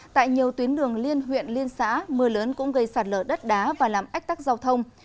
tại nhiều tuyến đường liên huyện liên xã mưa lớn cũng gây sạt lở đất đá và làm ách tắc giao thông